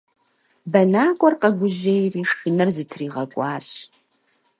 Бэнакӏуэр къэгужьейри шынэр зытригъэкӏуащ.